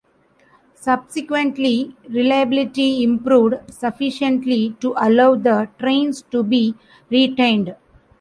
Subsequently, reliability improved sufficiently to allow the trains to be retained.